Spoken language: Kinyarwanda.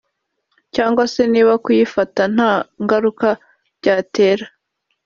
cyangwa se niba kuyifata nta ngaruka byabatera